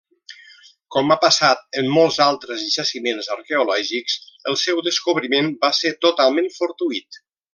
Com ha passat en molts altres jaciments arqueològics, el seu descobriment va ser totalment fortuït.